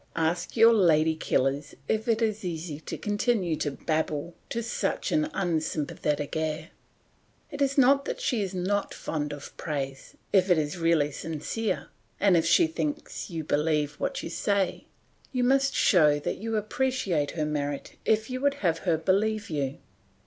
Ask your lady killers if it is easy to continue to babble to such, an unsympathetic ear. It is not that she is not fond of praise if it is really sincere, and if she thinks you believe what you say. You must show that you appreciate her merit if you would have her believe you.